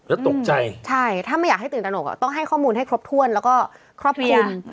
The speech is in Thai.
แล้วตกใจใช่ถ้าไม่อยากให้ตื่นตนกต้องให้ข้อมูลให้ครบถ้วนแล้วก็ครอบคลุม